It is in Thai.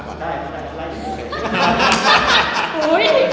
ก็คือแอลลี่